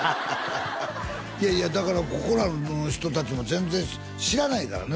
いやいやここらの人達も全然知らないからね